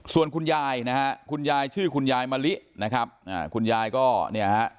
ส่วนคุณยายนะฮะคุณยายชื่อคุณยายมะลินะครับอ่าคุณยายก็เนี่ยฮะ